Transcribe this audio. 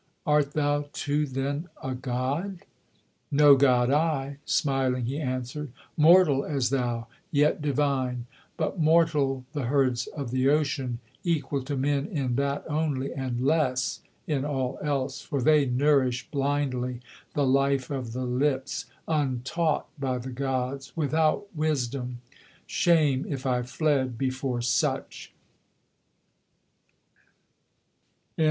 'Art thou, too, then a god?' 'No god I,' smiling he answered; 'Mortal as thou, yet divine: but mortal the herds of the ocean, Equal to men in that only, and less in all else; for they nourish Blindly the life of the lips, untaught by the gods, without wisdom: Shame if I fled before such!'